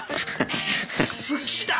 好きだね